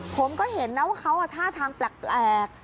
ผมก็เห็นนะว่าเขาท่าทางแปลก